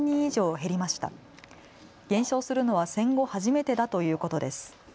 減少するのは戦後初めてだということです。